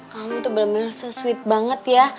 kamu tuh bener bener so sweet banget ya